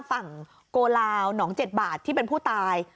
ฝั่งโกลาวหนองเจ็ดบาทที่เป็นผู้ตาย